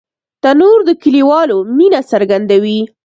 تنور د کلیوالو مینه څرګندوي